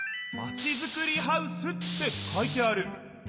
「まちづくりハウス」って書いてある。